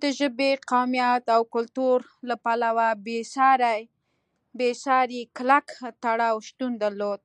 د ژبې، قومیت او کلتور له پلوه بېساری کلک تړاو شتون درلود.